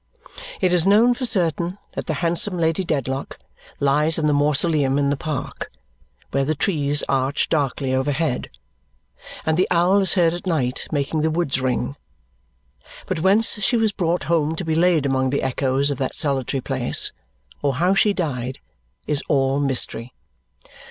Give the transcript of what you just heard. It is known for certain that the handsome Lady Dedlock lies in the mausoleum in the park, where the trees arch darkly overhead, and the owl is heard at night making the woods ring; but whence she was brought home to be laid among the echoes of that solitary place, or how she died, is all mystery.